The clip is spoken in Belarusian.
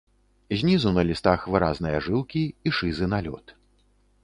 Знізу на лістах выразныя жылкі і шызы налёт.